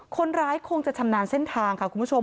คนร้ายคงจะชำนาญเส้นทางค่ะคุณผู้ชม